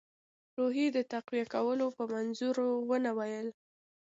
روحیې د تقویه کولو په منظور ونه ویل.